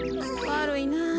わるいなぁ。